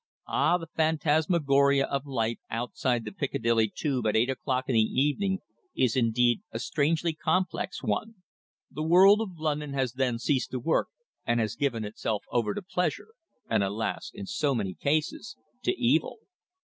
Ah! the phantasmagora of life outside the Piccadilly Tube at eight o'clock in the evening is indeed a strangely complex one. The world of London has then ceased to work and has given itself over to pleasure, and, alas! in so many cases, to evil.